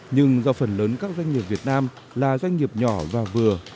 nhưng do phần lớn các doanh nghiệp việt nam là doanh nghiệp nhỏ và vừa